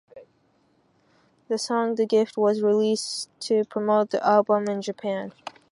The song "The Gift" was released to promote the album in Japan.